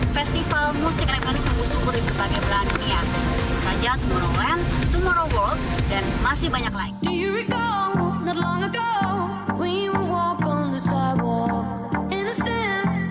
festival musik elektronik memusuhkan berbagai belahan dunia saja teman teman dan masih banyak